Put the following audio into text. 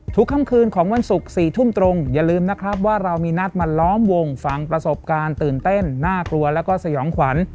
ค่ำคืนของวันศุกร์๔ทุ่มตรงอย่าลืมนะครับว่าเรามีนัดมาล้อมวงฟังประสบการณ์ตื่นเต้นน่ากลัวแล้วก็สยองขวัญ